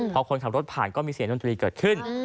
พอคนขับรถผ่านก็มีเสียงดนตรีเกิดขึ้น